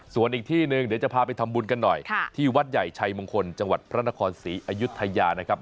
ส่วนอีกที่หนึ่งเดี๋ยวจะพาไปทำบุญกันหน่อยที่วัดใหญ่ชัยมงคลจังหวัดพระนครศรีอายุทยานะครับ